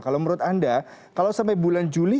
kalau menurut anda kalau sampai bulan juli sepanjang bulan juli